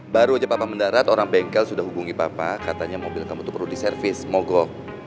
baru aja papa mendarat orang bengkel sudah hubungi papa katanya mobil kamu itu perlu diservis mogok